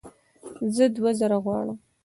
زه دوه زره غواړم